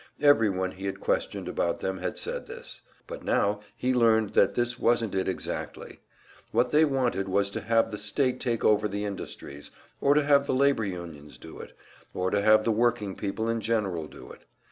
Everyone he had questioned about them had said this. But now he learned that this wasn't it exactly. What they wanted was to have the State take over the industries, or to have the labor unions do it, or to have the working people in general do it.